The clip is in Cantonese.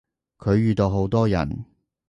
佢遇到好多人